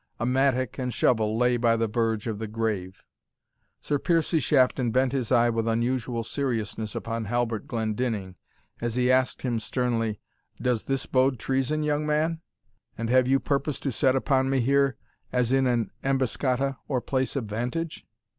A mattock and shovel lay by the verge of the grave. Sir Piercie Shafton bent his eye with unusual seriousness upon Halbert Glendinning, as he asked him sternly, "Does this bode treason, young man? And have you purpose to set upon me here as in an emboscata or place of vantage?"